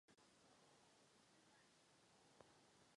To byla demokratická praxe na všech úrovních.